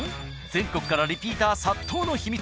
全国からリピーター殺到の秘密